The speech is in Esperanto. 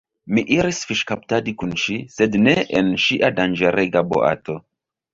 Mi iris fiŝkaptadi kun ŝi sed ne en ŝia danĝerega boato.